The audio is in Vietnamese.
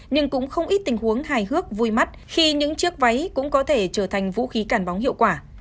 nhưng cũng không ít tình huống hài hước vui mắt khi những chiếc váy cũng có thể trở thành vũ khí cản bóng hiệu quả